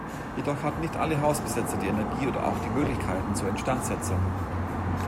Jedoch hatten nicht alle Hausbesetzer die Energie oder auch die Möglichkeiten zur Instandsetzung.